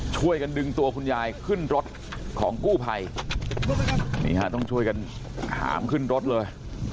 ช่วยกันดึงตัวคุณยายขึ้นรถของกู้ภัยนี่ฮะต้องช่วยกันหามขึ้นรถเลย